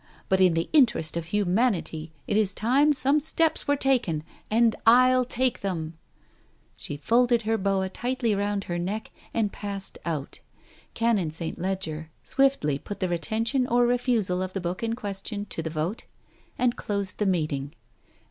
But in the interest of Humanity, it is time some steps were taken, and I'll take them. ..." She folded her boa tightly round her neck and passed out. Canon St. Leger swiftly put the retention or refusal of the book in question to the vote and closed the meeting.